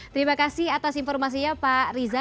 terima kasih atas informasinya pak riza